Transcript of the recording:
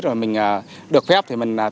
rồi mình được phép